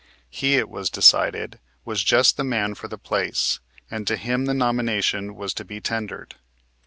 He, it was decided, was just the man for the place, and to him the nomination was to be tendered.